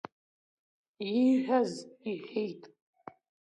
Ииҳәаз иҳәеит.